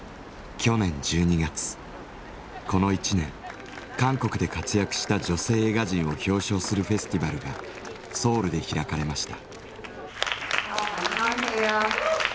去年１２月この１年韓国で活躍した女性映画人を表彰するフェスティバルがソウルで開かれました。